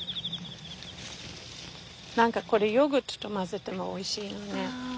何かこれヨーグルトと混ぜてもおいしいね。